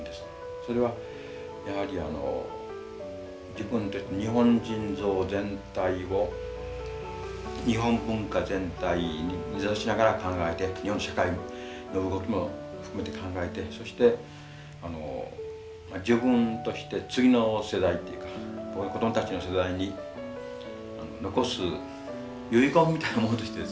それはやはりあの自分で日本人像全体を日本文化全体に根ざしながら考えて日本社会の動きも含めて考えてそして自分として次の世代っていうか子供たちの世代に残す遺言みたいなものとしてですね